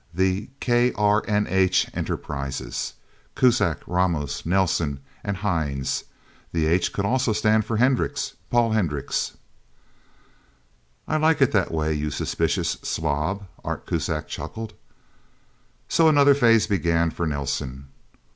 The KRNH Enterprises _K_uzak, _R_amos, _N_elsen and _H_ines. The 'H' could also stand for Hendricks Paul Hendricks." "I like it that way, you suspicious slob," Art Kuzak chuckled. So another phase began for Nelsen.